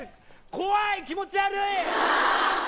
怖い、気持ち悪い！